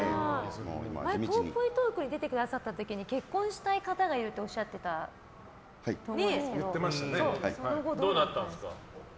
ぽいぽいトークに出てくださった時に結婚したい方がいるっておっしゃってたんですけどその後、どうなったんですか？